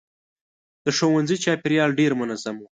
د ښوونځي چاپېریال ډېر منظم و.